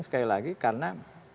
sekali lagi karena